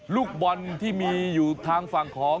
ลูกบอลที่มีอยู่ทางฝั่งของ